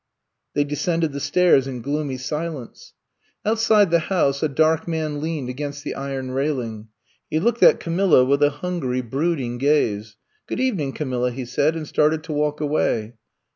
They descended the stairs in gloomy si lence. Outside the house a dark man leaned against the iron railing. He looked at Ca milla with a hungry, brooding gaze. Good evening, Camilla," he said, and started to walk away.